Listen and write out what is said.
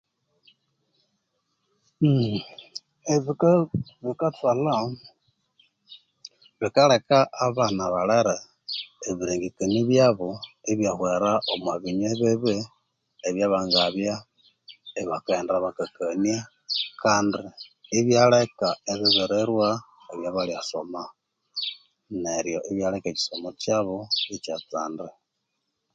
Hmm bika bikathwalha bikaleka abana balere ebirengekanio byabu ibyahwera omubinywe bibi ebyabangabya ibikaghenda bakakania ibyaleka ibibirirwa ebyabalha soma, neryo ibyaleka ekisomo kyabu ikya tsanda